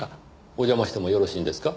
お邪魔してもよろしいんですか？